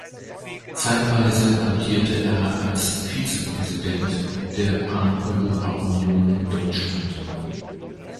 Zeitweise amtierte er als Vizepräsident der Paneuropa-Union Deutschland.